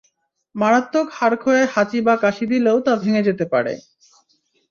মারাত্মক হাড়ক্ষয়ে হাঁচি বা কাশি দিলেও তা ভেঙে যেতে পারে।